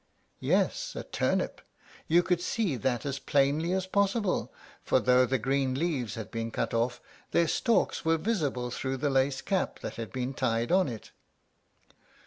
Yes, a turnip! You could see that as plainly as possible, for though the green leaves had been cut off, their stalks were visible through the lace cap that had been tied on it.